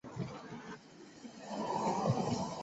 罗烽是初中毕业。